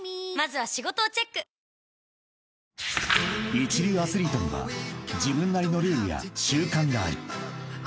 ［一流アスリートには自分なりのルールや習慣がある］